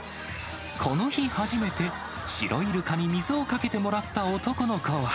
この日初めて、シロイルカに水をかけてもらった男の子は。